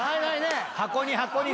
箱に箱に。